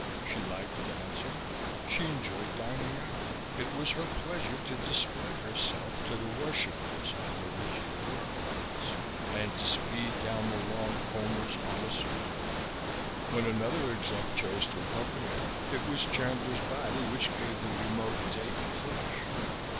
She liked dancing. She enjoyed dining out. It was her pleasure to display herself to the worshippers at Luigi the Wharf Rat's and to speed down the long combers on a surfboard. When another exec chose to accompany her it was Chandler's body which gave the remote "date" flesh.